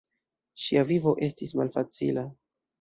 Ŝia vivo estis malfacila.